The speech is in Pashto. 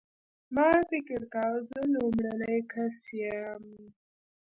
ما فکر کاوه زه لومړنی کس یم.